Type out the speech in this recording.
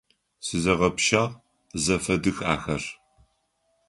Сызэгъэпшагъ, зэфэдых ахэр!